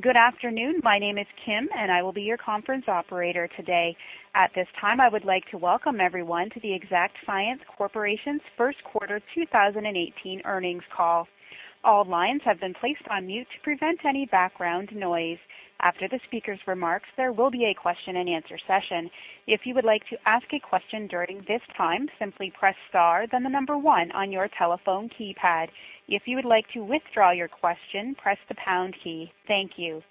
Good afternoon. My name is Kim, and I will be your conference operator today. At this time, I would like to welcome everyone to the Exact Sciences Corporation's first quarter 2018 earnings call. All lines have been placed on mute to prevent any background noise. After the speakers' remarks, there will be a question and answer session. If you would like to ask a question during this time, simply press star then the number one on your telephone keypad. If you would like to withdraw your question, press the pound key. Thank you.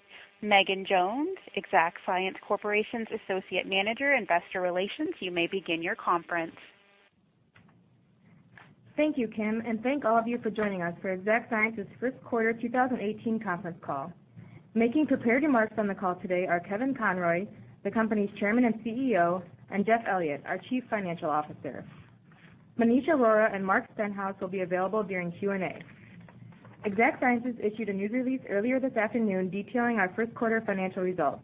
Megan Jones, Exact Sciences Corporation's Associate Manager, Investor Relations, you may begin your conference. Thank you, Kim, and thank all of you for joining us for Exact Sciences' first quarter 2018 conference call. Making prepared remarks on the call today are Kevin Conroy, the company's Chairman and CEO, and Jeff Elliott, our Chief Financial Officer. Maneesh Arora and Mark Stenhouse will be available during Q&A. Exact Sciences issued a news release earlier this afternoon detailing our first quarter financial results.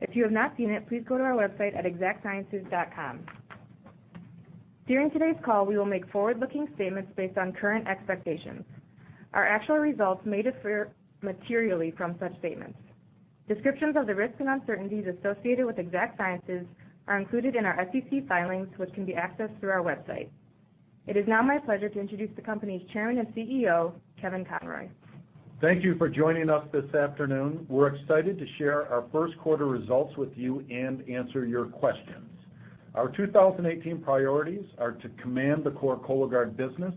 If you have not seen it, please go to our website at exactsciences.com. During today's call, we will make forward-looking statements based on current expectations. Our actual results may differ materially from such statements. Descriptions of the risks and uncertainties associated with Exact Sciences are included in our SEC filings, which can be accessed through our website. It is now my pleasure to introduce the company's Chairman and CEO, Kevin Conroy. Thank you for joining us this afternoon. We're excited to share our first quarter results with you and answer your questions. Our 2018 priorities are to command the core Cologuard business,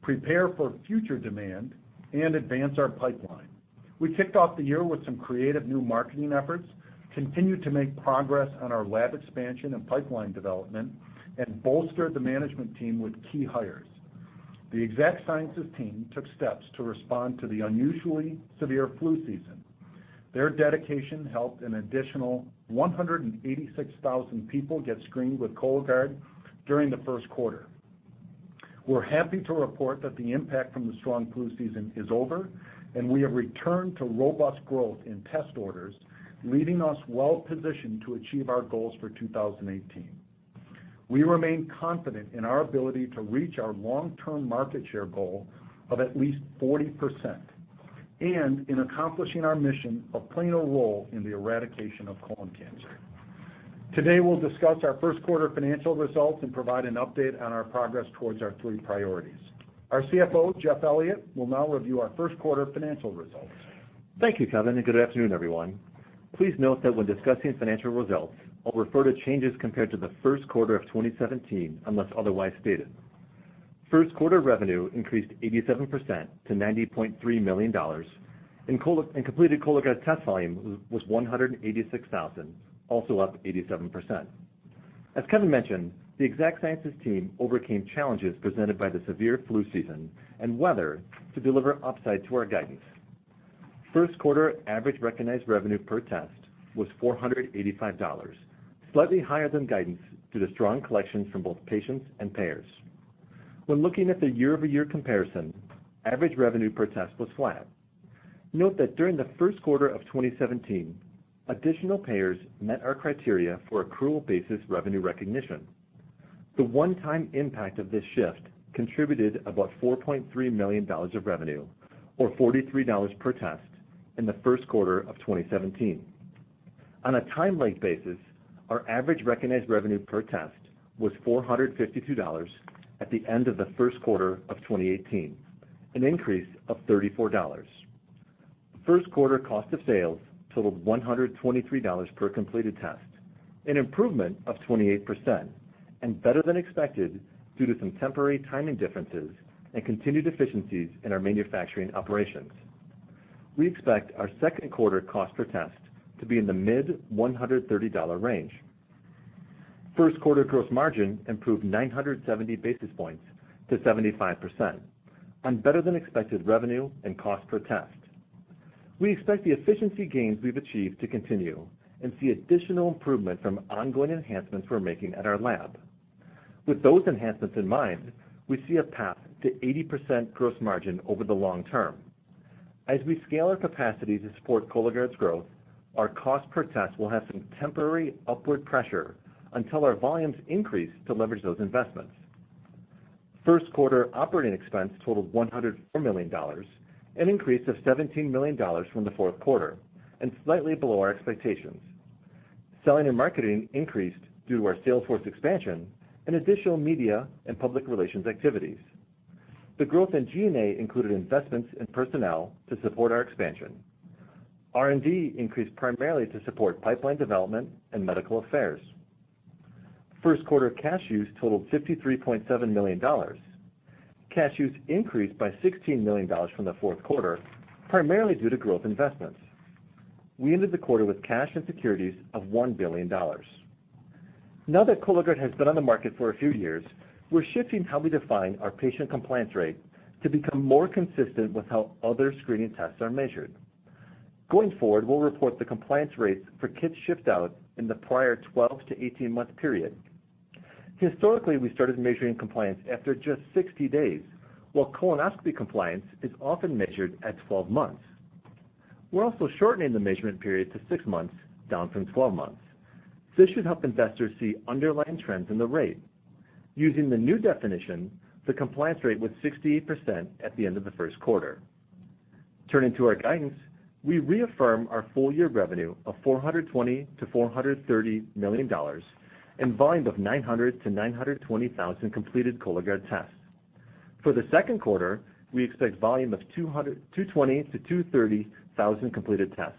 prepare for future demand, and advance our pipeline. We kicked off the year with some creative new marketing efforts, continued to make progress on our lab expansion and pipeline development, and bolstered the management team with key hires. The Exact Sciences team took steps to respond to the unusually severe flu season. Their dedication helped an additional 186,000 people get screened with Cologuard during the first quarter. We're happy to report that the impact from the strong flu season is over, and we have returned to robust growth in test orders, leaving us well-positioned to achieve our goals for 2018. We remain confident in our ability to reach our long-term market share goal of at least 40% and in accomplishing our mission of playing a role in the eradication of colon cancer. Today, we'll discuss our first quarter financial results and provide an update on our progress towards our three priorities. Our CFO, Jeff Elliott, will now review our first quarter financial results. Thank you, Kevin, and good afternoon, everyone. Please note that when discussing financial results, I'll refer to changes compared to the first quarter of 2017 unless otherwise stated. First quarter revenue increased 87% to $90.3 million and completed Cologuard test volume was 186,000, also up 87%. As Kevin mentioned, the Exact Sciences team overcame challenges presented by the severe flu season and weather to deliver upside to our guidance. First quarter average recognized revenue per test was $485, slightly higher than guidance due to strong collections from both patients and payers. When looking at the year-over-year comparison, average revenue per test was flat. Note that during the first quarter of 2017, additional payers met our criteria for accrual-basis revenue recognition. The one-time impact of this shift contributed about $4.3 million of revenue, or $43 per test, in the first quarter of 2017. On a time-like basis, our average recognized revenue per test was $452 at the end of the first quarter of 2018, an increase of $34. First quarter cost of sales totaled $123 per completed test, an improvement of 28% and better than expected due to some temporary timing differences and continued efficiencies in our manufacturing operations. We expect our second quarter cost per test to be in the mid-$130 range. First quarter gross margin improved 970 basis points to 75% on better-than-expected revenue and cost per test. We expect the efficiency gains we've achieved to continue and see additional improvement from ongoing enhancements we're making at our lab. With those enhancements in mind, we see a path to 80% gross margin over the long term. As we scale our capacity to support Cologuard's growth, our cost per test will have some temporary upward pressure until our volumes increase to leverage those investments. First quarter operating expense totaled $104 million, an increase of $17 million from the fourth quarter, and slightly below our expectations. Selling and marketing increased due to our sales force expansion and additional media and public relations activities. The growth in G&A included investments in personnel to support our expansion. R&D increased primarily to support pipeline development and medical affairs. First quarter cash use totaled $53.7 million. Cash use increased by $16 million from the fourth quarter, primarily due to growth investments. We ended the quarter with cash and securities of $1 billion. Now that Cologuard has been on the market for a few years, we're shifting how we define our patient compliance rate to become more consistent with how other screening tests are measured. Going forward, we'll report the compliance rates for kits shipped out in the prior 12-18-month period. Historically, we started measuring compliance after just 60 days, while colonoscopy compliance is often measured at 12 months. We're also shortening the measurement period to six months, down from 12 months. This should help investors see underlying trends in the rate. Using the new definition, the compliance rate was 68% at the end of the first quarter. Turning to our guidance, we reaffirm our full year revenue of $420 million-$430 million and volume of 900,000-920,000 completed Cologuard tests. For the second quarter, we expect volume of 220,000-230,000 completed tests.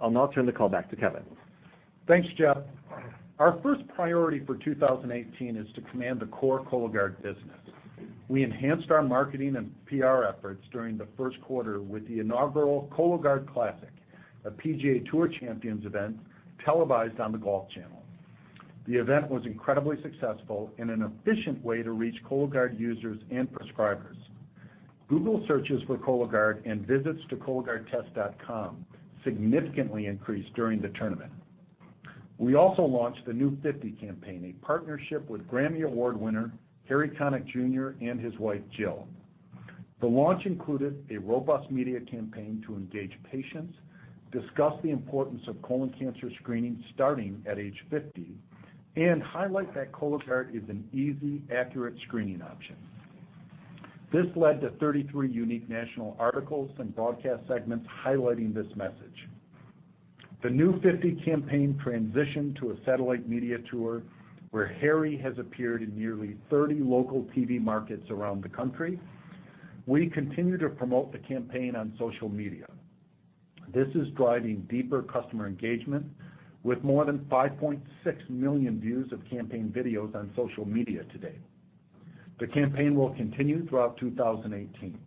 I'll now turn the call back to Kevin. Thanks, Jeff. Our first priority for 2018 is to command the core Cologuard business. We enhanced our marketing and PR efforts during the first quarter with the inaugural Cologuard Classic, a PGA Tour Champions event televised on the Golf Channel. The event was incredibly successful and an efficient way to reach Cologuard users and prescribers. Google searches for Cologuard and visits to cologuardtest.com significantly increased during the tournament. We also launched The New 50 Campaign, a partnership with Grammy Award winner Harry Connick Jr. and his wife, Jill. The launch included a robust media campaign to engage patients, discuss the importance of colon cancer screening starting at age 50, and highlight that Cologuard is an easy, accurate screening option. This led to 33 unique national articles and broadcast segments highlighting this message. The New 50 Campaign transitioned to a satellite media tour where Harry has appeared in nearly 30 local TV markets around the country. We continue to promote the campaign on social media. This is driving deeper customer engagement with more than 5.6 million views of campaign videos on social media to date. The campaign will continue throughout 2018.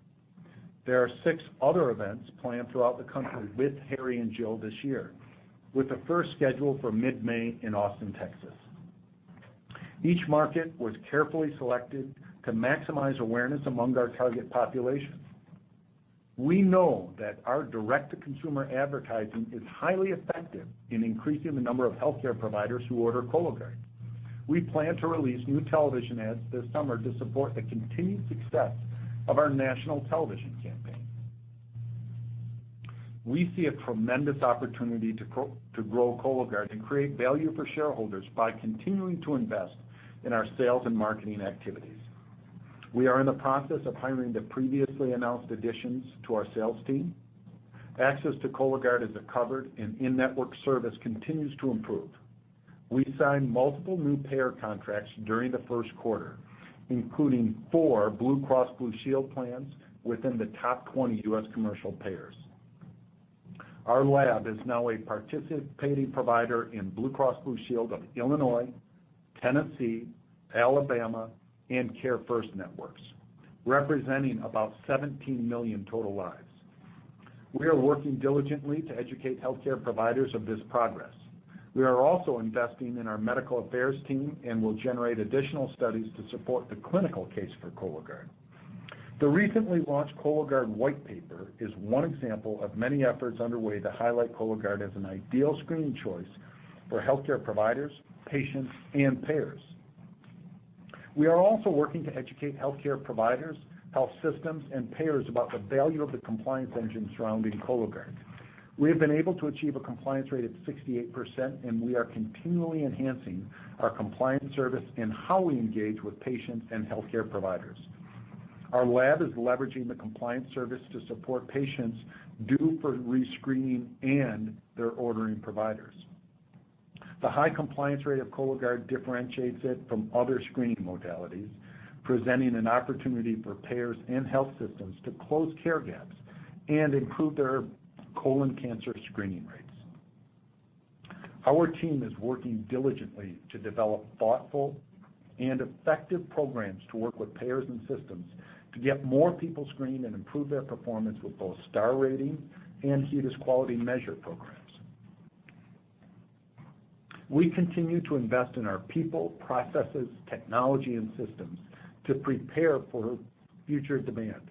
There are six other events planned throughout the country with Harry and Jill this year, with the first scheduled for mid-May in Austin, Texas. Each market was carefully selected to maximize awareness among our target population. We know that our direct-to-consumer advertising is highly effective in increasing the number of healthcare providers who order Cologuard. We plan to release new television ads this summer to support the continued success of our national television campaign. We see a tremendous opportunity to grow Cologuard and create value for shareholders by continuing to invest in our sales and marketing activities. We are in the process of hiring the previously announced additions to our sales team. Access to Cologuard as a covered and in-network service continues to improve. We signed multiple new payer contracts during the first quarter, including four Blue Cross Blue Shield plans within the top 20 U.S. commercial payers. Our lab is now a participating provider in Blue Cross Blue Shield of Illinois, Tennessee, Alabama, and CareFirst Networks, representing about 17 million total lives. We are working diligently to educate healthcare providers of this progress. We are also investing in our medical affairs team and will generate additional studies to support the clinical case for Cologuard. The recently launched Cologuard white paper is one example of many efforts underway to highlight Cologuard as an ideal screening choice for healthcare providers, patients, and payers. We are also working to educate healthcare providers, health systems, and payers about the value of the compliance engine surrounding Cologuard. We have been able to achieve a compliance rate of 68%, and we are continually enhancing our compliance service and how we engage with patients and healthcare providers. Our lab is leveraging the compliance service to support patients due for rescreening and their ordering providers. The high compliance rate of Cologuard differentiates it from other screening modalities, presenting an opportunity for payers and health systems to close care gaps and improve their colon cancer screening rates. Our team is working diligently to develop thoughtful and effective programs to work with payers and systems to get more people screened and improve their performance with both Star Rating and HEDIS quality measure programs. We continue to invest in our people, processes, technology, and systems to prepare for future demand.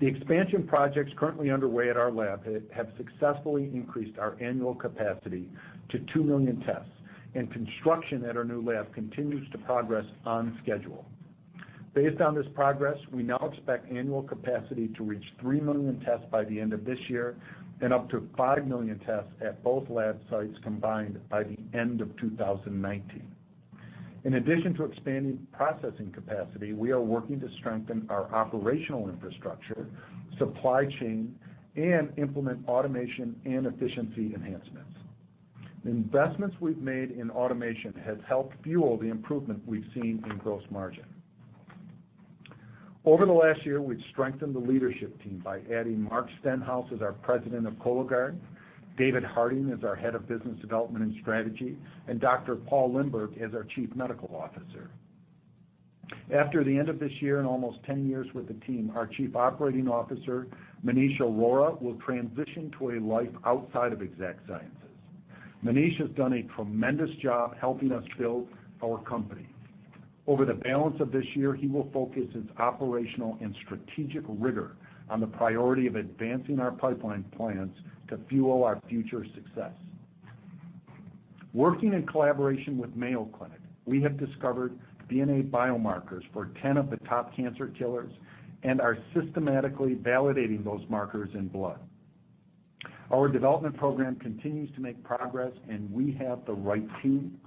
The expansion projects currently underway at our lab have successfully increased our annual capacity to 2 million tests, and construction at our new lab continues to progress on schedule. Based on this progress, we now expect annual capacity to reach 3 million tests by the end of this year and up to 5 million tests at both lab sites combined by the end of 2019. In addition to expanding processing capacity, we are working to strengthen our operational infrastructure, supply chain, and implement automation and efficiency enhancements. The investments we've made in automation has helped fuel the improvement we've seen in gross margin. Over the last year, we've strengthened the leadership team by adding Mark Stenhouse as our President of Cologuard, David Harding as our Head of Business Development and Strategy, and Dr. Paul Limburg as our Chief Medical Officer. After the end of this year and almost 10 years with the team, our Chief Operating Officer, Maneesh Arora, will transition to a life outside of Exact Sciences. Maneesh has done a tremendous job helping us build our company. Over the balance of this year, he will focus his operational and strategic rigor on the priority of advancing our pipeline plans to fuel our future success. Working in collaboration with Mayo Clinic, we have discovered DNA biomarkers for 10 of the top cancer killers and are systematically validating those markers in blood. Our development program continues to make progress, and we have the right team,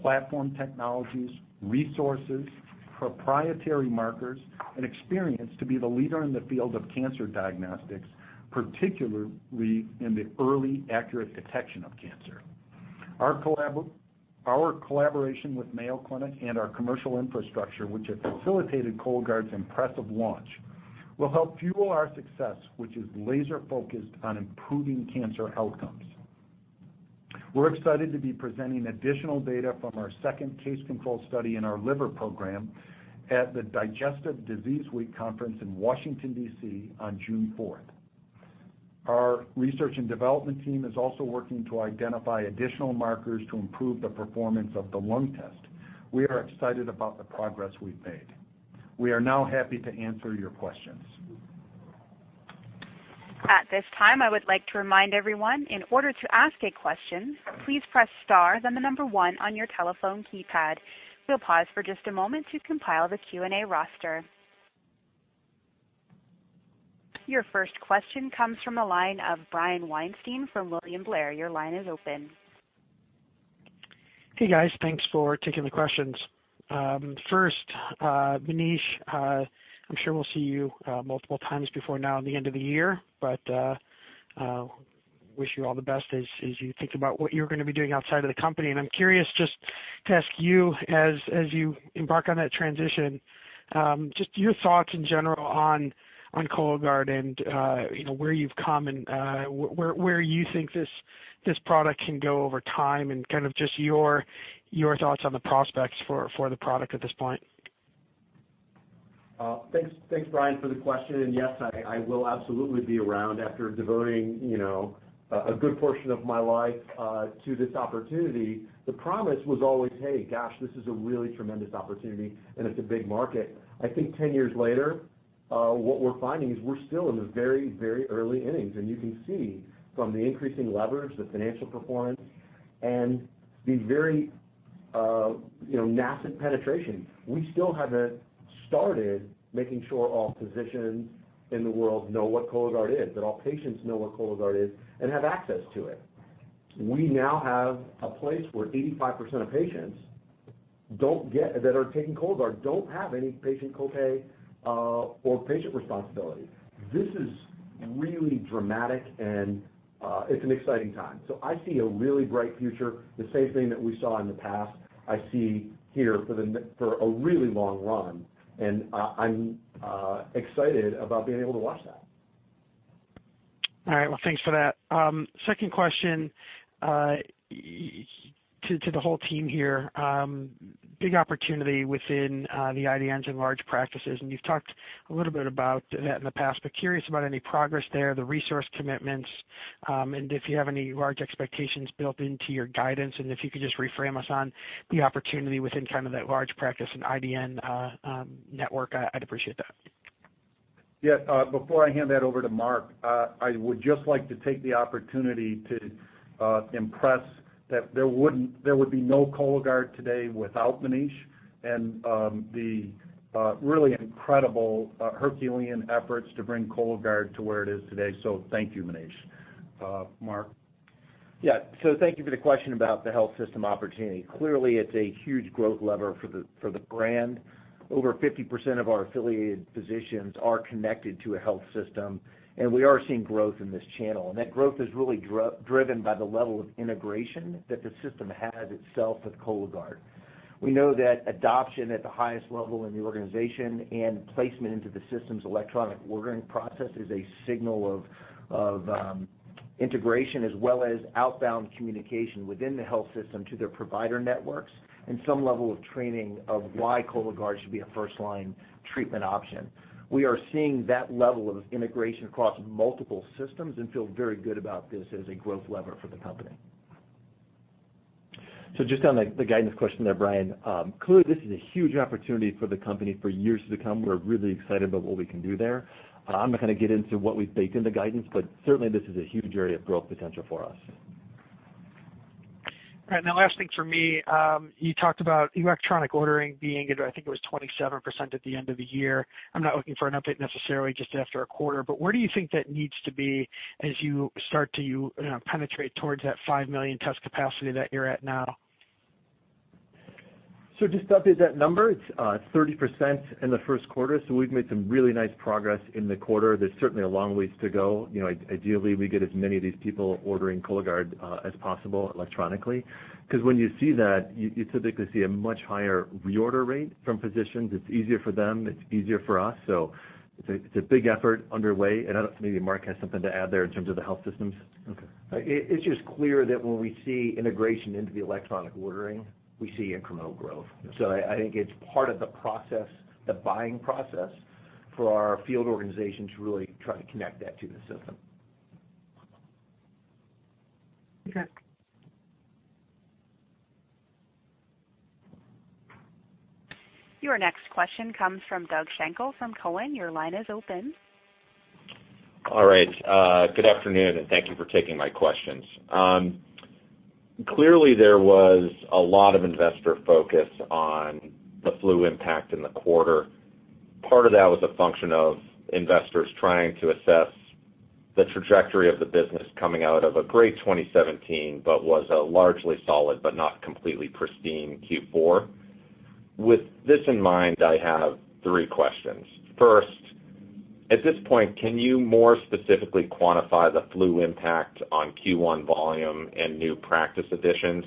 platform technologies, resources, proprietary markers, and experience to be the leader in the field of cancer diagnostics, particularly in the early accurate detection of cancer. Our collaboration with Mayo Clinic and our commercial infrastructure, which have facilitated Cologuard's impressive launch, will help fuel our success, which is laser-focused on improving cancer outcomes. We're excited to be presenting additional data from our second case-control study in our liver program at the Digestive Disease Week conference in Washington, D.C., on June 4th. Our research and development team is also working to identify additional markers to improve the performance of the lung test. We are excited about the progress we've made. We are now happy to answer your questions. At this time, I would like to remind everyone, in order to ask a question, please press star, then the number 1 on your telephone keypad. We'll pause for just a moment to compile the Q&A roster. Your first question comes from the line of Brian Weinstein from William Blair. Your line is open. Hey, guys. Thanks for taking the questions. First, Maneesh, I'm sure we'll see you multiple times before now and the end of the year, wish you all the best as you think about what you're going to be doing outside of the company. I'm curious just to ask you as you embark on that transition, just your thoughts in general on Cologuard and where you've come and where you think this product can go over time and kind of just your thoughts on the prospects for the product at this point. Thanks, Brian, for the question. Yes, I will absolutely be around after devoting a good portion of my life to this opportunity. The promise was always, "Hey, gosh, this is a really tremendous opportunity, and it's a big market." I think 10 years later, what we're finding is we're still in the very early innings, you can see from the increasing leverage, the financial performance, and the very nascent penetration. We still haven't started making sure all physicians in the world know what Cologuard is, that all patients know what Cologuard is and have access to it. We now have a place where 85% of patients that are taking Cologuard don't have any patient copay or patient responsibility. This is really dramatic, and it's an exciting time. I see a really bright future. The same thing that we saw in the past, I see here for a really long run, I'm excited about being able to watch that. Well, thanks for that. Second question to the whole team here. Big opportunity within the IDNs and large practices. You've talked a little bit about that in the past, but curious about any progress there, the resource commitments, and if you have any large expectations built into your guidance. If you could just reframe us on the opportunity within that large practice and IDN network, I'd appreciate that. Yeah. Before I hand that over to Mark, I would just like to take the opportunity to impress that there would be no Cologuard today without Maneesh and the really incredible Herculean efforts to bring Cologuard to where it is today. Thank you, Maneesh. Mark? Yeah. Thank you for the question about the health system opportunity. Clearly, it's a huge growth lever for the brand. Over 50% of our affiliated physicians are connected to a health system. We are seeing growth in this channel. That growth is really driven by the level of integration that the system has itself with Cologuard. We know that adoption at the highest level in the organization and placement into the system's electronic ordering process is a signal of integration as well as outbound communication within the health system to their provider networks and some level of training of why Cologuard should be a first-line treatment option. We are seeing that level of integration across multiple systems and feel very good about this as a growth lever for the company. Just on the guidance question there, Brian, clearly, this is a huge opportunity for the company for years to come. We're really excited about what we can do there. I'm not going to get into what we've baked in the guidance, but certainly, this is a huge area of growth potential for us. All right. Last thing for me, you talked about electronic ordering being, I think it was 27% at the end of the year. I'm not looking for an update necessarily just after a quarter, but where do you think that needs to be as you start to penetrate towards that 5 million test capacity that you're at now? Just to update that number, it's 30% in the first quarter. We've made some really nice progress in the quarter. There's certainly a long ways to go. Ideally, we get as many of these people ordering Cologuard as possible electronically, because when you see that, you typically see a much higher reorder rate from physicians. It's easier for them. It's easier for us. It's a big effort underway. I don't know if maybe Mark has something to add there in terms of the health systems. Okay. It's just clear that when we see integration into the electronic ordering, we see incremental growth. I think it's part of the process, the buying process for our field organization to really try to connect that to the system. Okay. Your next question comes from Doug Schenkel from Cowen. Your line is open. All right. Good afternoon. Thank you for taking my questions. Clearly, there was a lot of investor focus on the flu impact in the quarter. Part of that was a function of investors trying to assess the trajectory of the business coming out of a great 2017, but was a largely solid but not completely pristine Q4. With this in mind, I have three questions. First, at this point, can you more specifically quantify the flu impact on Q1 volume and new practice additions?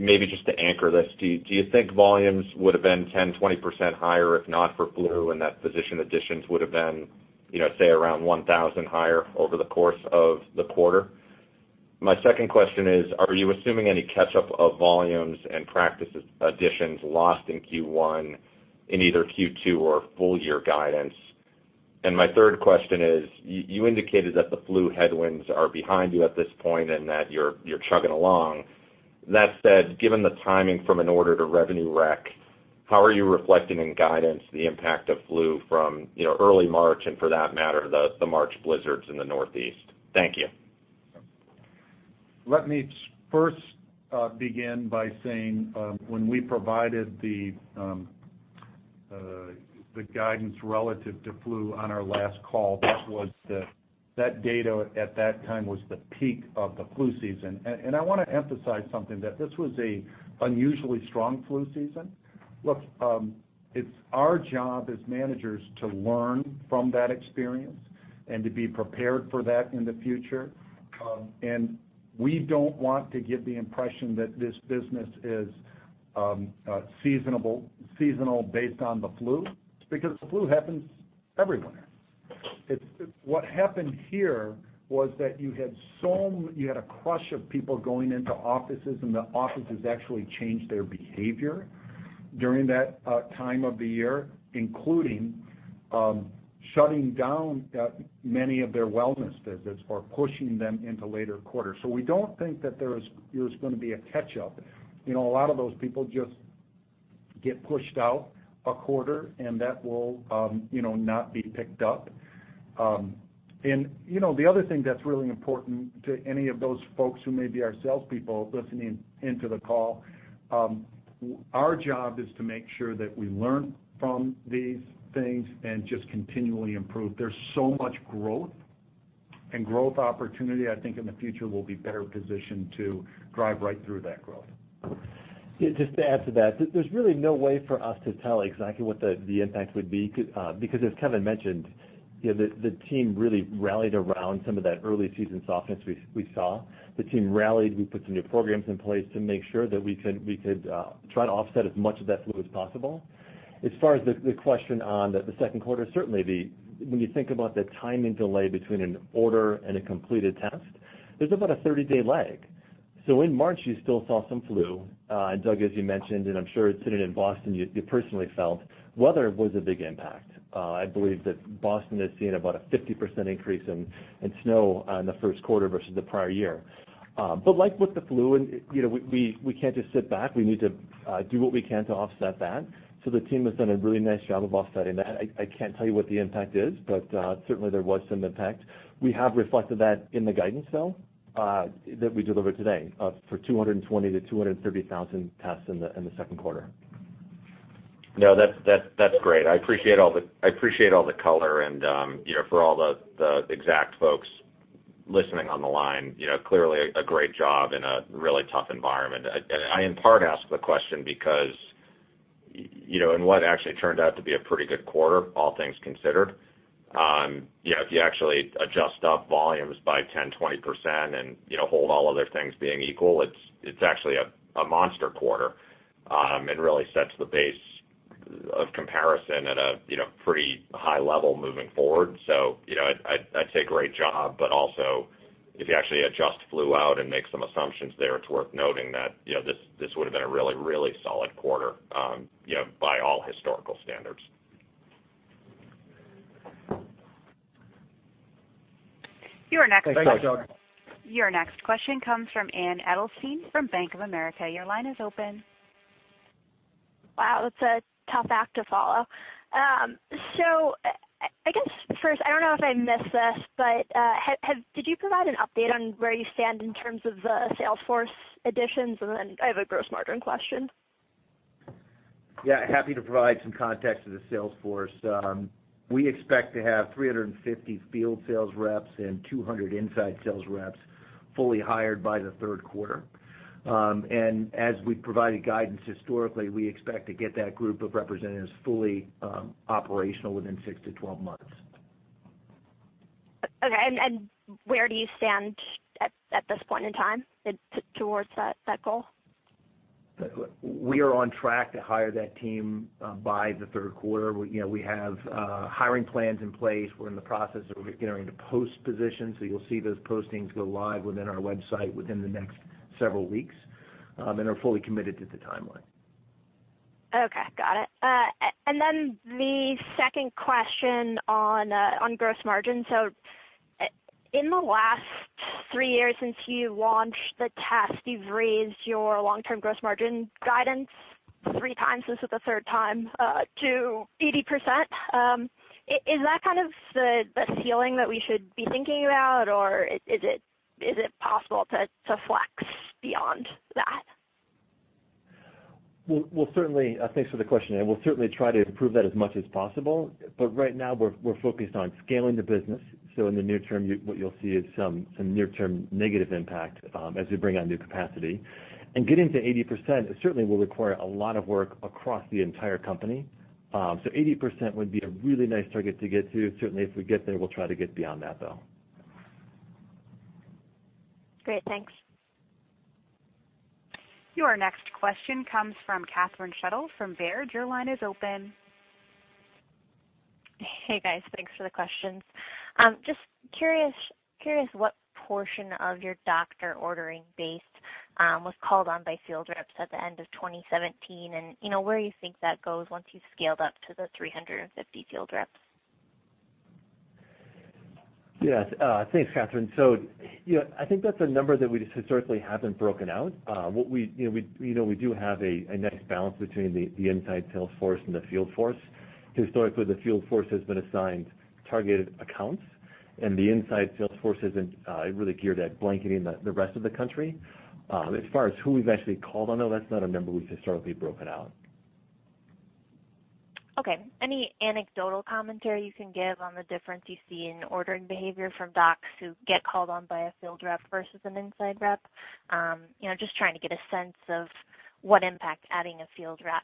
Maybe just to anchor this, do you think volumes would've been 10%-20% higher if not for flu, and that physician additions would've been, say, around 1,000 higher over the course of the quarter? My second question is, are you assuming any catch-up of volumes and practices additions lost in Q1 in either Q2 or full year guidance? My third question is, you indicated that the flu headwinds are behind you at this point and that you're chugging along. That said, given the timing from an order to revenue rec, how are you reflecting in guidance the impact of flu from early March, and for that matter, the March blizzards in the Northeast? Thank you. Let me first begin by saying, when we provided the guidance relative to flu on our last call, that data at that time was the peak of the flu season. I want to emphasize something, that this was an unusually strong flu season. Look, it's our job as managers to learn from that experience and to be prepared for that in the future. We don't want to give the impression that this business is seasonal based on the flu, because the flu happens everywhere. What happened here was that you had a crush of people going into offices, and the offices actually changed their behavior during that time of the year, including shutting down many of their wellness visits or pushing them into later quarters. We don't think that there's going to be a catch-up. A lot of those people just get pushed out a quarter, and that will not be picked up. The other thing that's really important to any of those folks who may be our salespeople listening into the call, our job is to make sure that we learn from these things and just continually improve. There's so much growth and growth opportunity. I think in the future we'll be better positioned to drive right through that growth. Yeah, just to add to that, there's really no way for us to tell exactly what the impact would be, because as Kevin mentioned, the team really rallied around some of that early season softness we saw. The team rallied. We put some new programs in place to make sure that we could try to offset as much of that flu as possible. As far as the question on the second quarter, certainly when you think about the timing delay between an order and a completed test, there's about a 30-day lag. In March, you still saw some flu. Doug, as you mentioned, and I'm sure sitting in Boston, you personally felt weather was a big impact. I believe that Boston has seen about a 50% increase in snow in the first quarter versus the prior year. Like with the flu, we can't just sit back. We need to do what we can to offset that. The team has done a really nice job of offsetting that. I can't tell you what the impact is, but certainly there was some impact. We have reflected that in the guidance, though, that we delivered today, for 220,000 to 230,000 tests in the second quarter. No, that's great. I appreciate all the color and for all the Exact folks listening on the line, clearly a great job in a really tough environment. I, in part, ask the question because in what actually turned out to be a pretty good quarter, all things considered, if you actually adjust up volumes by 10%, 20% and hold all other things being equal, it's actually a monster quarter, and really sets the base of comparison at a pretty high level moving forward. I'd say great job, but also, if you actually adjust flu out and make some assumptions there, it's worth noting that this would've been a really solid quarter, by all historical standards. Thanks, Doug. Your next question comes from Anne Edelstein from Bank of America. Your line is open. Wow, that's a tough act to follow. I guess first, I don't know if I missed this, but did you provide an update on where you stand in terms of the sales force additions? I have a gross margin question. Yeah, happy to provide some context to the sales force. We expect to have 350 field sales reps and 200 inside sales reps fully hired by the third quarter. As we've provided guidance historically, we expect to get that group of representatives fully operational within 6 to 12 months. Okay. Where do you stand at this point in time towards that goal? We are on track to hire that team by the third quarter. We have hiring plans in place. We're in the process of getting ready to post positions. You'll see those postings go live within our website within the next several weeks, and are fully committed to the timeline. Okay. Got it. The second question on gross margin. In the last three years since you launched the test, you've raised your long-term gross margin guidance three times, this is the third time, to 80%. Is that kind of the ceiling that we should be thinking about, or is it possible to flex beyond that? Thanks for the question. We'll certainly try to improve that as much as possible. Right now, we're focused on scaling the business. In the near term, what you'll see is some near-term negative impact as we bring on new capacity. Getting to 80% certainly will require a lot of work across the entire company. 80% would be a really nice target to get to. Certainly, if we get there, we'll try to get beyond that, though. Great. Thanks. Your next question comes from Catherine Schulte from Baird. Your line is open. Hey, guys. Thanks for the questions. Just curious what portion of your doctor ordering base was called on by field reps at the end of 2017 and where you think that goes once you've scaled up to the 350 field reps. Yes. Thanks, Catherine. I think that's a number that we historically haven't broken out. We do have a nice balance between the inside sales force and the field force. Historically, the field force has been assigned targeted accounts, and the inside sales force is really geared at blanketing the rest of the country. As far as who we've actually called on, though, that's not a number we've historically broken out. Okay. Any anecdotal commentary you can give on the difference you see in ordering behavior from docs who get called on by a field rep versus an inside rep? Just trying to get a sense of what impact adding a field rep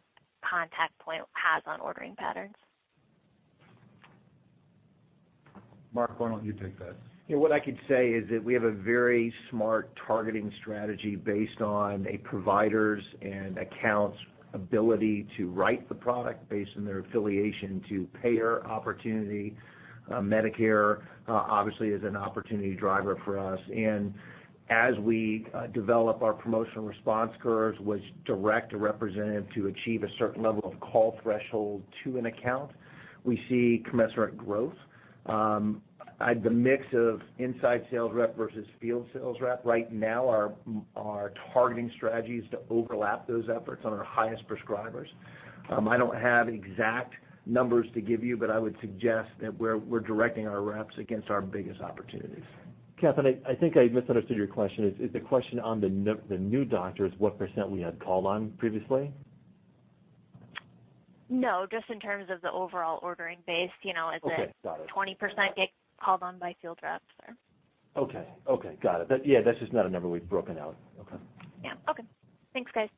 contact point has on ordering patterns. Mark, why don't you take that? What I could say is that we have a very smart targeting strategy based on a provider's and account's ability to write the product based on their affiliation to payer opportunity. Medicare obviously is an opportunity driver for us. As we develop our promotional response curves, which direct a representative to achieve a certain level of call threshold to an account, we see commensurate growth. The mix of inside sales rep versus field sales rep right now, our targeting strategy is to overlap those efforts on our highest prescribers. I don't have exact numbers to give you, but I would suggest that we're directing our reps against our biggest opportunities. Catherine, I think I misunderstood your question. Is the question on the new doctors, what % we had called on previously? No, just in terms of the overall ordering base. Okay, got it. Is it 20% get called on by field reps? Okay. Got it. Yeah, that's just not a number we've broken out. Okay. Yeah. Okay. Thanks, guys.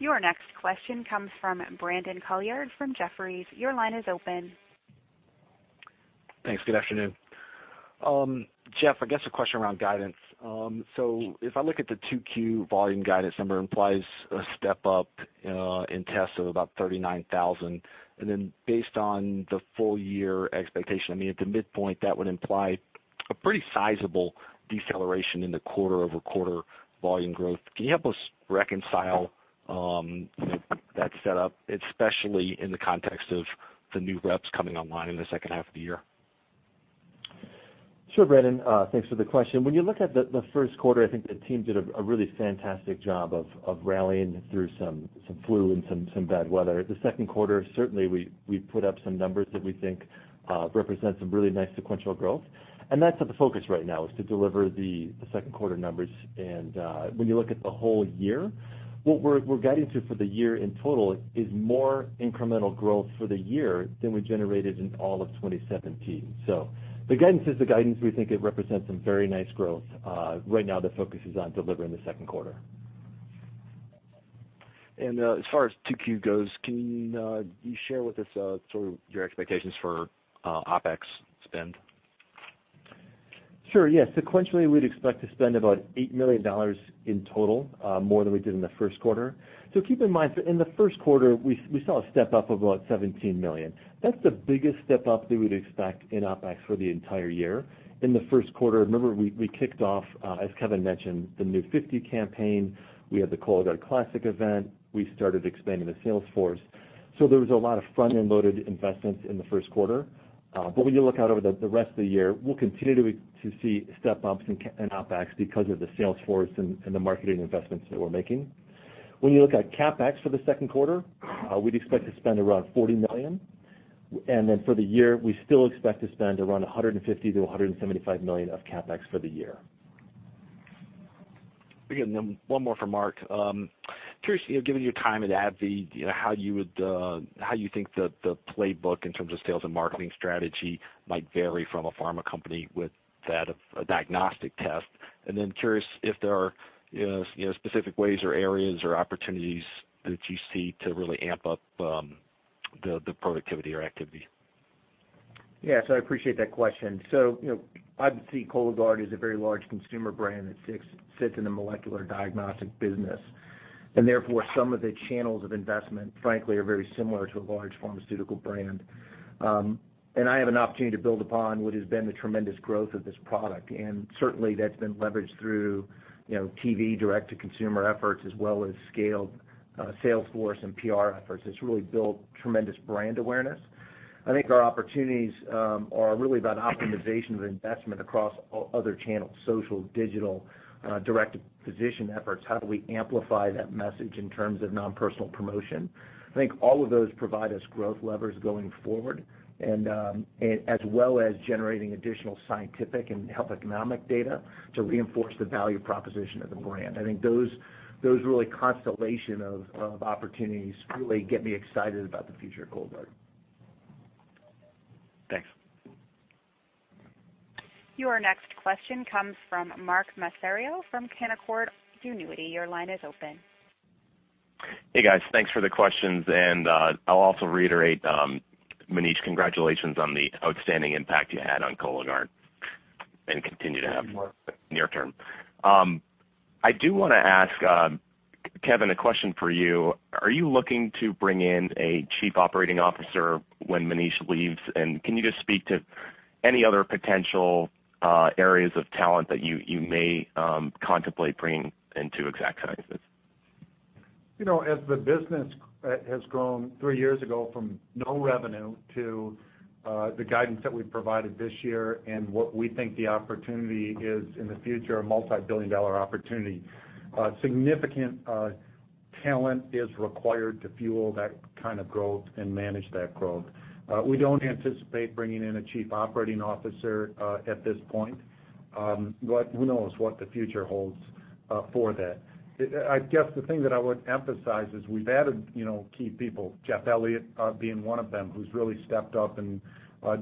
Your next question comes from Brandon Couillard from Jefferies. Your line is open. Thanks. Good afternoon. Jeff, I guess a question around guidance. If I look at the 2Q volume guidance number implies a step-up in tests of about 39,000, and then based on the full year expectation, at the midpoint, that would imply a pretty sizable deceleration in the quarter-over-quarter volume growth. Can you help us reconcile that set up, especially in the context of the new reps coming online in the second half of the year? Sure, Brandon. Thanks for the question. When you look at the first quarter, I think the team did a really fantastic job of rallying through some flu and some bad weather. The second quarter, certainly, we put up some numbers that we think represent some really nice sequential growth. That's the focus right now is to deliver the second quarter numbers. When you look at the whole year, what we're guiding to for the year in total is more incremental growth for the year than we generated in all of 2017. The guidance is the guidance. We think it represents some very nice growth. Right now, the focus is on delivering the second quarter. As far as 2Q goes, can you share with us your expectations for OpEx spend? Sure, yeah. Sequentially, we'd expect to spend about $8 million in total, more than we did in the first quarter. Keep in mind that in the first quarter, we saw a step-up of about $17 million. That's the biggest step-up that we'd expect in OpEx for the entire year. In the first quarter, remember, we kicked off, as Kevin mentioned, The New 50 campaign. We had the Cologuard Classic event. We started expanding the sales force. There was a lot of front-end loaded investments in the first quarter. When you look out over the rest of the year, we'll continue to see step-ups in OpEx because of the sales force and the marketing investments that we're making. When you look at CapEx for the second quarter, we'd expect to spend around $40 million. For the year, we still expect to spend around $150 million-$175 million of CapEx for the year. Again, one more for Mark. Curious, given your time at AbbVie, how you think the playbook in terms of sales and marketing strategy might vary from a pharma company with that of a diagnostic test. Curious if there are specific ways or areas or opportunities that you see to really amp up the productivity or activity. Yeah. I appreciate that question. AbbVie, Cologuard is a very large consumer brand that sits in the molecular diagnostic business. Therefore, some of the channels of investment, frankly, are very similar to a large pharmaceutical brand. I have an opportunity to build upon what has been the tremendous growth of this product, and certainly, that's been leveraged through TV direct-to-consumer efforts as well as scaled sales force and PR efforts. It's really built tremendous brand awareness. I think our opportunities are really about optimization of investment across other channels, social, digital, direct-to-physician efforts. How do we amplify that message in terms of non-personal promotion? I think all of those provide us growth levers going forward, as well as generating additional scientific and health economic data to reinforce the value proposition of the brand. I think those really constellation of opportunities really get me excited about the future of Cologuard. Thanks. Your next question comes from Mark Massaro from Canaccord Genuity. Your line is open. Hey, guys. Thanks for the questions, and I'll also reiterate, Maneesh, congratulations on the outstanding impact you had on Cologuard and continue to have. Thank you, Mark. near term. I do want to ask Kevin a question for you. Are you looking to bring in a Chief Operating Officer when Maneesh leaves? Can you just speak to any other potential areas of talent that you may contemplate bringing into Exact Sciences? As the business has grown three years ago from no revenue to the guidance that we provided this year and what we think the opportunity is in the future, a multi-billion-dollar opportunity, significant talent is required to fuel that kind of growth and manage that growth. We don't anticipate bringing in a Chief Operating Officer at this point, but who knows what the future holds for that. I guess the thing that I would emphasize is we've added key people, Jeff Elliott being one of them, who's really stepped up and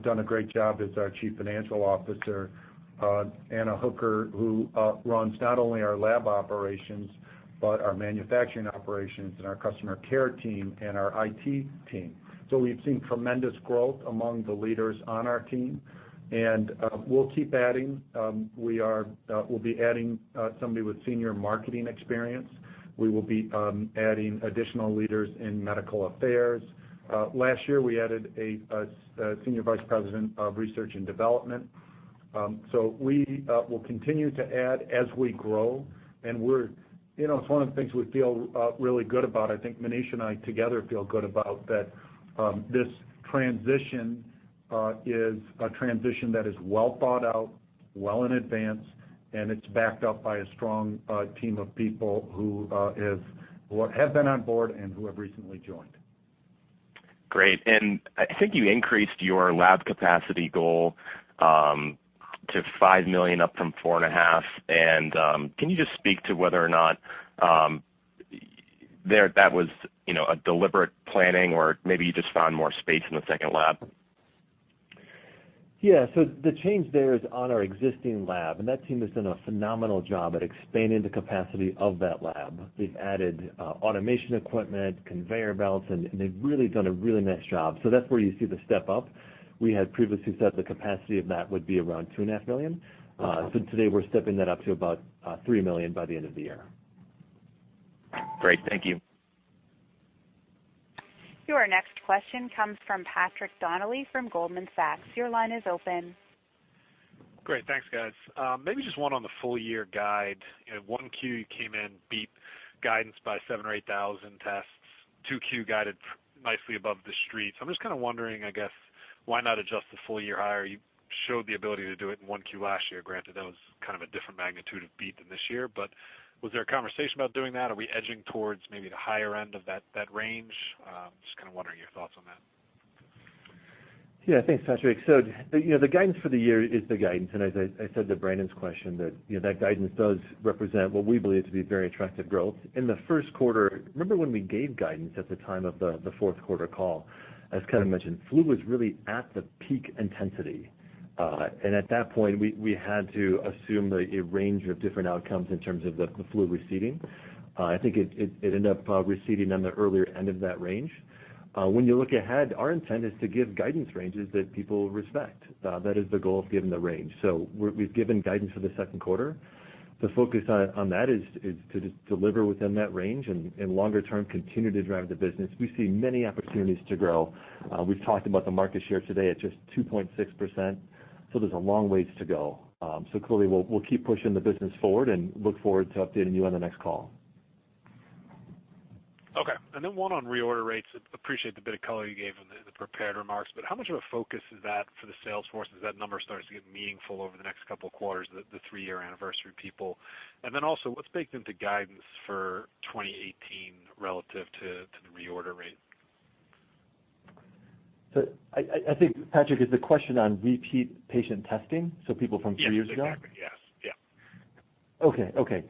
done a great job as our Chief Financial Officer, Ana Hooker, who runs not only our lab operations, but our manufacturing operations and our customer care team and our IT team. We've seen tremendous growth among the leaders on our team, and we'll keep adding. We'll be adding somebody with senior marketing experience. We will be adding additional leaders in medical affairs. Last year, we added a Senior Vice President of research and development. We will continue to add as we grow, and it's one of the things we feel really good about. I think Maneesh and I together feel good about that this transition is a transition that is well thought out, well in advance, and it's backed up by a strong team of people who have been on board and who have recently joined. Great, I think you increased your lab capacity goal to 5 million up from 4.5 million. Can you just speak to whether or not that was a deliberate planning or maybe you just found more space in the second lab? The change there is on our existing lab. That team has done a phenomenal job at expanding the capacity of that lab. They've added automation equipment, conveyor belts, and they've really done a really nice job. That's where you see the step-up. We had previously said the capacity of that would be around two and a half million. Today, we're stepping that up to about 3 million by the end of the year. Great. Thank you. Your next question comes from Patrick Donnelly from Goldman Sachs. Your line is open. Great. Thanks, guys. Maybe just one on the full-year guide. 1Q, you came in, beat guidance by 7,000 or 8,000 tests, 2Q guided nicely above the Street. I'm just kind of wondering, I guess, why not adjust the full year higher? You showed the ability to do it in 1Q last year, granted that was kind of a different magnitude of beat than this year. Was there a conversation about doing that? Are we edging towards maybe the higher end of that range? Just kind of wondering your thoughts on that. Yeah. Thanks, Patrick. The guidance for the year is the guidance, and as I said to Brandon's question that guidance does represent what we believe to be very attractive growth. In the first quarter, remember when we gave guidance at the time of the fourth quarter call, as Kevin mentioned, flu was really at the peak intensity. At that point, we had to assume a range of different outcomes in terms of the flu receding. I think it ended up receding on the earlier end of that range. When you look ahead, our intent is to give guidance ranges that people respect. That is the goal of giving the range. We've given guidance for the second quarter. The focus on that is to deliver within that range and, longer term, continue to drive the business. We see many opportunities to grow. We've talked about the market share today at just 2.6%, so there's a long ways to go. Clearly, we'll keep pushing the business forward and look forward to updating you on the next call. Okay. Then one on reorder rates. Appreciate the bit of color you gave in the prepared remarks, but how much of a focus is that for the sales force as that number starts to get meaningful over the next couple of quarters, the three-year anniversary people? Then also, what's baked into guidance for 2018 relative to the reorder rate? I think, Patrick, is the question on repeat patient testing, so people from three years ago? Yes, exactly. Yes. Okay.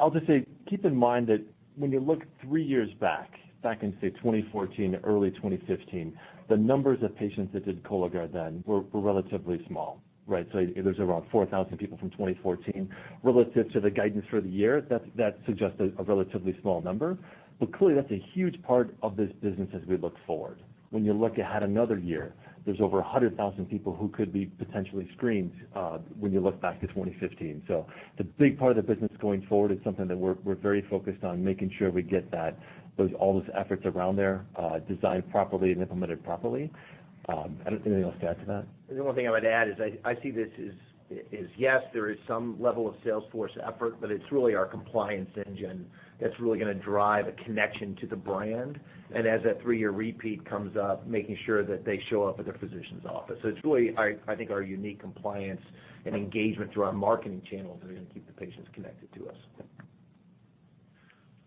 I'll just say, keep in mind that when you look three years back in, say, 2014, early 2015, the numbers of patients that did Cologuard then were relatively small, right? There's around 4,000 people from 2014. Relative to the guidance for the year, that suggested a relatively small number. Clearly, that's a huge part of this business as we look forward. When you look ahead another year, there's over 100,000 people who could be potentially screened when you look back to 2015. It's a big part of the business going forward. It's something that we're very focused on making sure we get all those efforts around there designed properly and implemented properly. I don't think anything else to add to that. The only thing I would add is I see this as, yes, there is some level of sales force effort, but it's really our compliance engine that's really going to drive a connection to the brand, and as that three-year repeat comes up, making sure that they show up at their physician's office. It's really, I think, our unique compliance and engagement through our marketing channels that are going to keep the patients connected to us.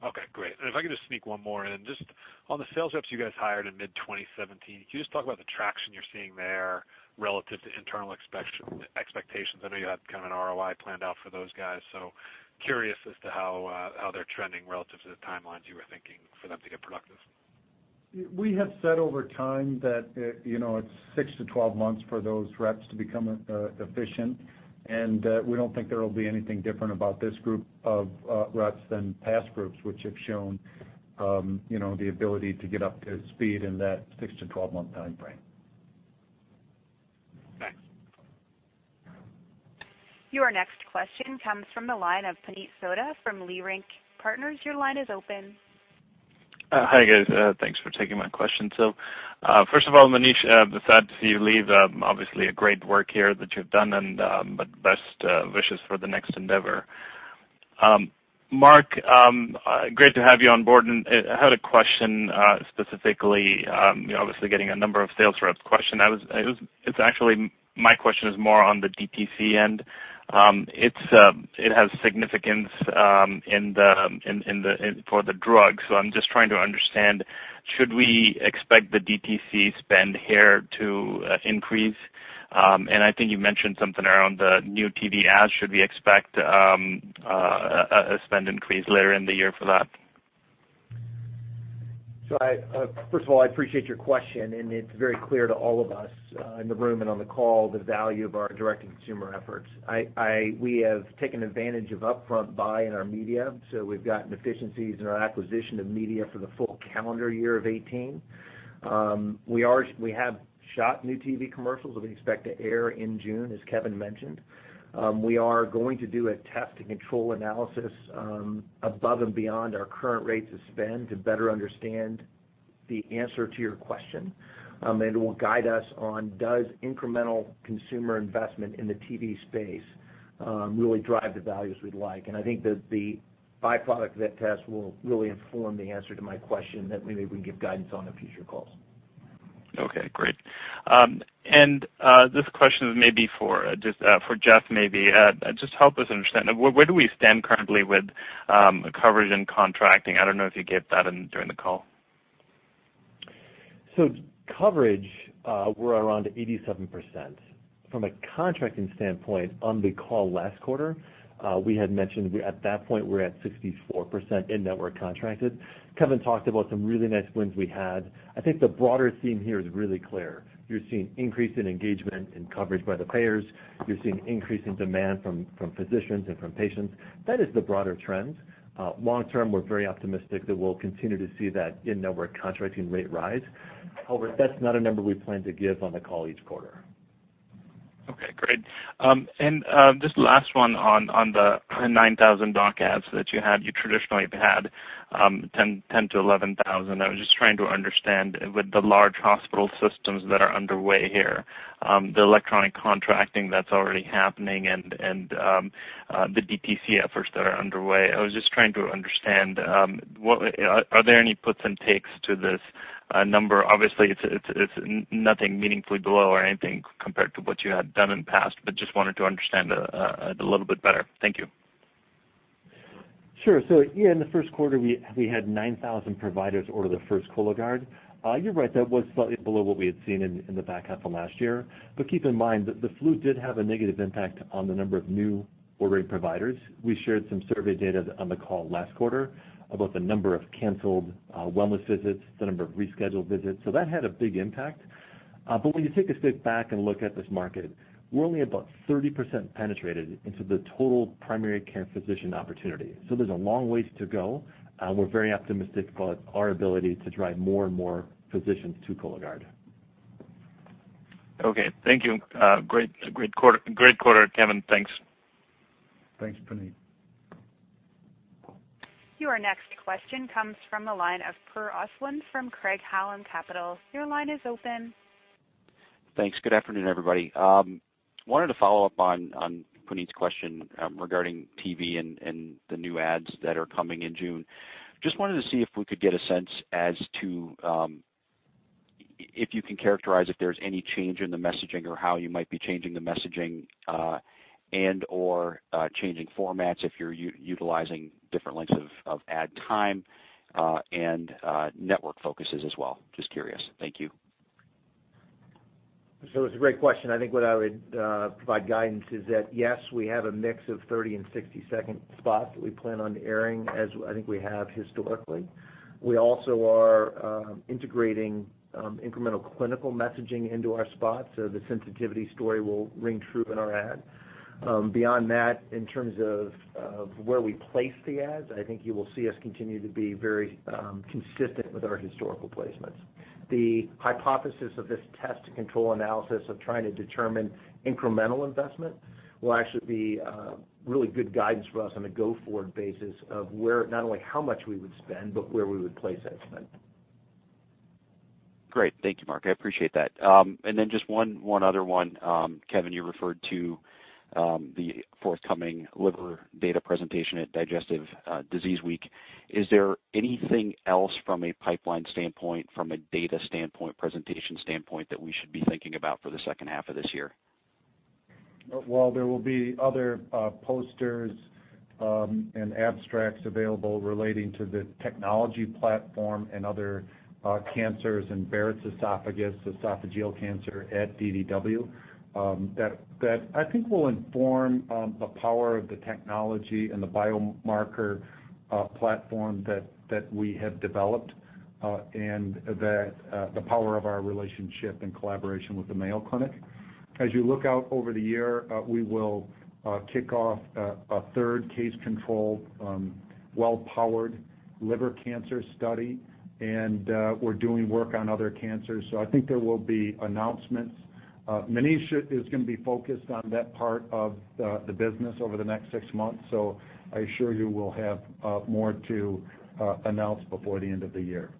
Okay, great. If I could just sneak one more in. Just on the sales reps you guys hired in mid-2017, can you just talk about the traction you're seeing there relative to internal expectations? I know you had kind of an ROI planned out for those guys, so curious as to how they're trending relative to the timelines you were thinking for them to get productive. We have said over time that it's six to 12 months for those reps to become efficient, and we don't think there will be anything different about this group of reps than past groups, which have shown the ability to get up to speed in that six to 12-month timeframe. Thanks. Your next question comes from the line of Puneet Souda from Leerink Partners. Your line is open. Hi, guys. Thanks for taking my question. First of all, Maneesh, sad to see you leave. Obviously, great work here that you've done, but best wishes for the next endeavor. Mark, great to have you on board, and I had a question specifically, obviously getting a number of sales reps question. My question is more on the DTC end. It has significance for the drug. I'm just trying to understand, should we expect the DTC spend here to increase? I think you mentioned something around the new TV ads. Should we expect a spend increase later in the year for that? First of all, I appreciate your question, and it's very clear to all of us in the room and on the call the value of our direct-to-consumer efforts. We have taken advantage of upfront buy in our media. We've gotten efficiencies in our acquisition of media for the full calendar year of 2018. We have shot new TV commercials that we expect to air in June, as Kevin mentioned. We are going to do a test and control analysis above and beyond our current rates of spend to better understand the answer to your question. It will guide us on, does incremental consumer investment in the TV space really drive the values we'd like? I think that the byproduct of that test will really inform the answer to my question that maybe we can give guidance on in future calls. Okay. Great. This question is maybe for Jeff, maybe. Just help us understand, where do we stand currently with coverage and contracting? I don't know if you gave that during the call. Coverage, we're around 87%. From a contracting standpoint, on the call last quarter, we had mentioned at that point, we were at 64% in-network contracted. Kevin talked about some really nice wins we had. I think the broader theme here is really clear. You're seeing increase in engagement and coverage by the payers. You're seeing increase in demand from physicians and from patients. That is the broader trend. Long term, we're very optimistic that we'll continue to see that in-network contracting rate rise. However, that's not a number we plan to give on the call each quarter. Okay, great. Just last one on the 9,000 doc adds that you had. You traditionally have had 10,000 to 11,000. I was just trying to understand with the large hospital systems that are underway here, the electronic contracting that's already happening and the DTC efforts that are underway. I was just trying to understand, are there any puts and takes to this number? Obviously, it's nothing meaningfully below or anything compared to what you had done in the past, but just wanted to understand a little bit better. Thank you. Sure. Yeah, in the first quarter, we had 9,000 providers order the first Cologuard. You're right, that was slightly below what we had seen in the back half of last year. Keep in mind that the flu did have a negative impact on the number of new ordering providers. We shared some survey data on the call last quarter about the number of canceled wellness visits, the number of rescheduled visits. That had a big impact. When you take a step back and look at this market, we're only about 30% penetrated into the total primary care physician opportunity. There's a long ways to go. We're very optimistic about our ability to drive more and more physicians to Cologuard. Okay. Thank you. Great quarter, Kevin. Thanks. Thanks, Puneet. Your next question comes from the line of Per Ostlund from Craig-Hallum Capital. Your line is open. Thanks. Good afternoon, everybody. Wanted to follow up on Puneet's question regarding TV and the new ads that are coming in June. Just wanted to see if we could get a sense as to if you can characterize if there's any change in the messaging or how you might be changing the messaging, and/or changing formats, if you're utilizing different lengths of ad time, and network focuses as well. Just curious. Thank you. It's a great question. I think what I would provide guidance is that, yes, we have a mix of 30- and 60-second spots that we plan on airing, as I think we have historically. We also are integrating incremental clinical messaging into our spots, so the sensitivity story will ring true in our ad. Beyond that, in terms of where we place the ads, I think you will see us continue to be very consistent with our historical placements. The hypothesis of this test and control analysis of trying to determine incremental investment will actually be really good guidance for us on a go-forward basis of not only how much we would spend, but where we would place that spend. Great. Thank you, Mark. I appreciate that. Then just one other one. Kevin, you referred to the forthcoming liver data presentation at Digestive Disease Week. Is there anything else from a pipeline standpoint, from a data standpoint, presentation standpoint, that we should be thinking about for the second half of this year? Well, there will be other posters and abstracts available relating to the technology platform and other cancers and Barrett's esophagus, esophageal cancer at DDW that I think will inform the power of the technology and the biomarker platform that we have developed and the power of our relationship and collaboration with the Mayo Clinic. As you look out over the year, we will kick off a third case control, well-powered liver cancer study, and we're doing work on other cancers. I think there will be announcements. Maneesh is going to be focused on that part of the business over the next six months. I assure you we'll have more to announce before the end of the year.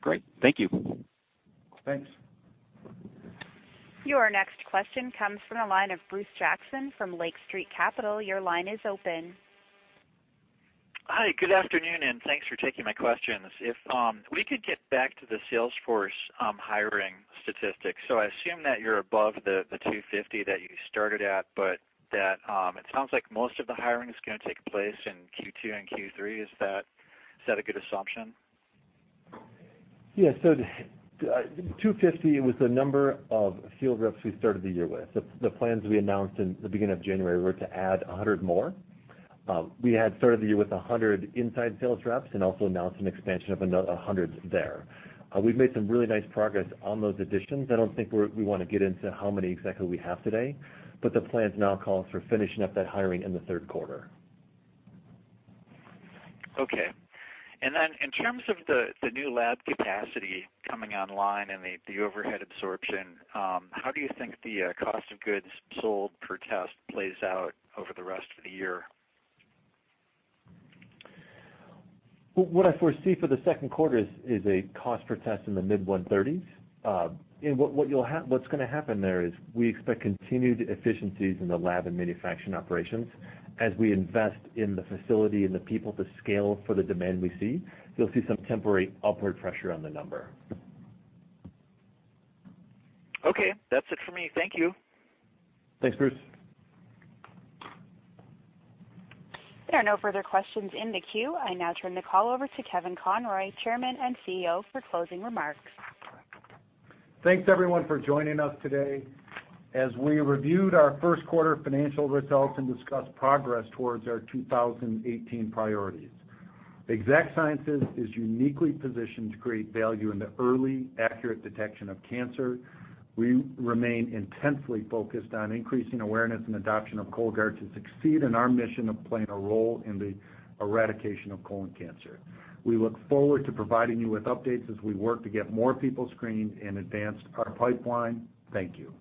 Great. Thank you. Thanks. Your next question comes from the line of Bruce Jackson from Lake Street Capital. Your line is open. Hi, good afternoon, and thanks for taking my questions. If we could get back to the sales force hiring statistics. I assume that you're above the 250 that you started at, but that it sounds like most of the hiring is going to take place in Q2 and Q3. Is that a good assumption? Yeah. 250 was the number of field reps we started the year with. The plans we announced in the beginning of January were to add 100 more. We had started the year with 100 inside sales reps and also announced an expansion of another 100 there. We've made some really nice progress on those additions. I don't think we want to get into how many exactly we have today, but the plans now call for finishing up that hiring in the third quarter. Okay. Then in terms of the new lab capacity coming online and the overhead absorption, how do you think the cost of goods sold per test plays out over the rest of the year? What I foresee for the second quarter is a cost per test in the mid-130s. What's going to happen there is we expect continued efficiencies in the lab and manufacturing operations. As we invest in the facility and the people to scale for the demand we see, you'll see some temporary upward pressure on the number. Okay. That's it for me. Thank you. Thanks, Bruce. There are no further questions in the queue. I now turn the call over to Kevin Conroy, Chairman and CEO, for closing remarks. Thanks everyone for joining us today as we reviewed our first quarter financial results and discussed progress towards our 2018 priorities. Exact Sciences is uniquely positioned to create value in the early accurate detection of cancer. We remain intensely focused on increasing awareness and adoption of Cologuard to succeed in our mission of playing a role in the eradication of colon cancer. We look forward to providing you with updates as we work to get more people screened and advance our pipeline. Thank you.